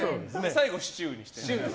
最後、シチューにして。